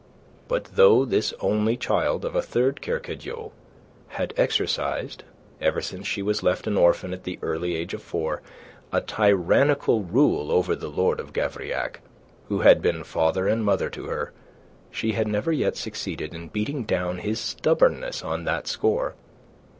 But though this only child of a third Kercadiou had exercised, ever since she was left an orphan at the early age of four, a tyrannical rule over the Lord of Gavrillac, who had been father and mother to her, she had never yet succeeded in beating down his stubbornness on that score.